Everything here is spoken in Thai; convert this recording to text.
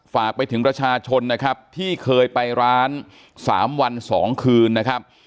ฝากไปถึงประชาชนนะครับที่เคยไปร้าน๓วัน๒คืนนะครับ